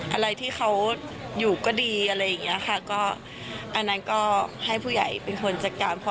อะไรที่เขาอยู่ก็ดีอะไรอย่างเงี้ยค่ะก็อันนั้นก็ให้ผู้ใหญ่เป็นคนจัดการ